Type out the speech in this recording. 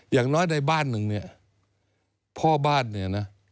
อย่างน้อยในบ้านหนึ่งเนี่ยพ่อบ้านเนี่ยนะ